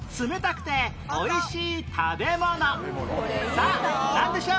さあなんでしょう？